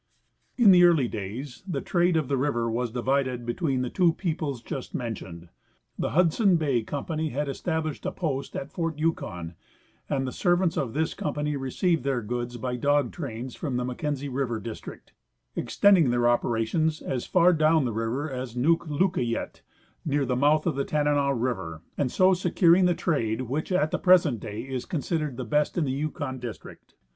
In the early days the trade of the river was divided between the two peoples just mentioned. The Hudson Bay company had established a post at fort Yukon, and the servants of this company received their goods by dog trains from the Mackenzie River district, extending their operations as far down the river as Nuklukayet, near the mouth of Tanana river, and so securing the trade which at the present day is considered the best in the Yukon district.